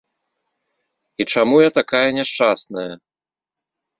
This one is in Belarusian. І чаму я такая няшчасная?